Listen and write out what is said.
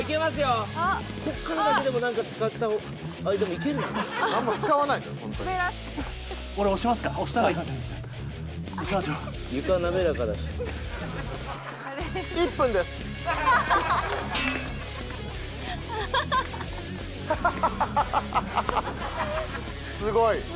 すごい。